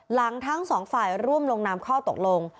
ทั้งสองฝ่ายร่วมลงนามข้อตกลง